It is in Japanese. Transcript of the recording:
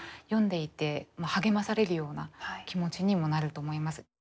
読んでいて励まされるような気持ちにもなると思います。